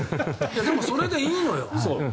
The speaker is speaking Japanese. でも、それでいいのよ。